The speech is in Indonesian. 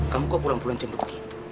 kamu kok pulang pulang jembet gitu